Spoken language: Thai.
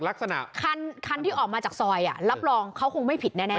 ลักษณะคันที่ออกมาจากซอยรับรองเขาคงไม่ผิดแน่